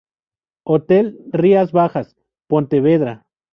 Hotel Rías Bajas, Pontevedra.